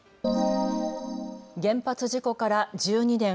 原発事故から１２年。